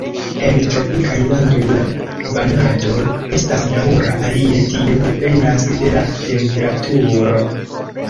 En tropikaj landoj la banado estas daŭra, alie tio dependas de la temperaturo.